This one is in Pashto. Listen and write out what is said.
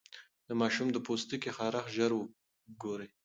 د ماشوم د پوستکي خارښت ژر وګورئ.